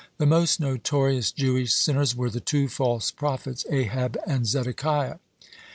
The most notorious Jewish sinners were the two false prophets Ahab and Zedekiah.